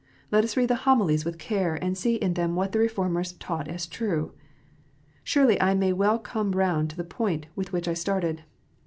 Let us read the Homilies with care, and see in them what the Reformers taught as true. Surely I may well come round to the point with which I started.